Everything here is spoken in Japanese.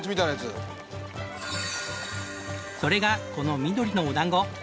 それがこの緑のお団子。